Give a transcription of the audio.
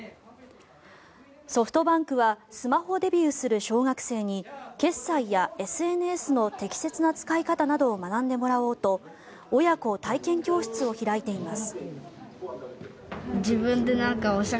ソフトバンクはスマホデビューする小学生に決済やＳＮＳの適切な使い方などを学んでもらおうと親子体験教室を開いています。